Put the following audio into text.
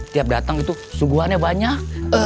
tiap dateng itu subuhannya banyak